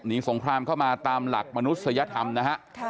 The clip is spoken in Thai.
สงครามเข้ามาตามหลักมนุษยธรรมนะฮะ